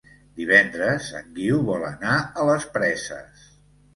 Divendres en Guiu vol anar a les Preses.